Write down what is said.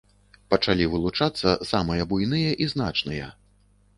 Пачалі вылучацца самыя буйныя і значныя.